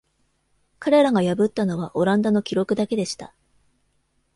彼らが破ったのはオランダの記録だけでした。